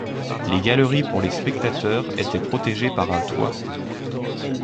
Les galeries pour les spectateurs étaient protégées par un toit.